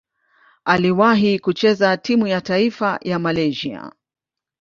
Aliwahi kucheza timu ya taifa ya Malaysia.